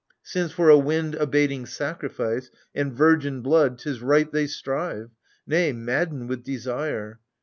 Since for a wind abating sacrifice And virgin blood, — 'tis right they strive, Nay, madden with desire.